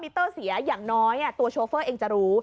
อำลังให้ดู